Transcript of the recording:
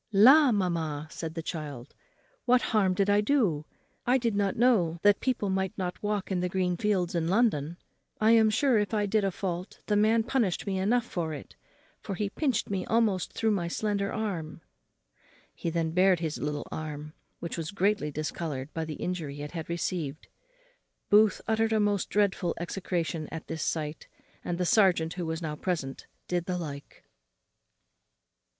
"La! mamma," said the child, "what harm did I do? I did not know that people might not walk in the green fields in London. I am sure if I did a fault, the man punished me enough for it, for he pinched me almost through my slender arm." He then bared his little arm, which was greatly discoloured by the injury it had received. Booth uttered a most dreadful execration at this sight, and the serjeant, who was now present, did the like.